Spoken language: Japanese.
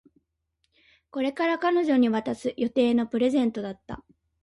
これから彼女に渡す予定のプレゼントだった